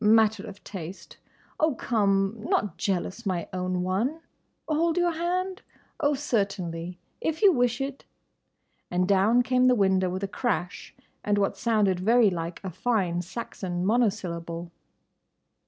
—Matter of taste.—Oh, come! Not jealous, my own one?—Hold your hand?—Oh, certainly, if you wish it!" And down came the window with a crash and what sounded very like a fine Saxon monosyllable.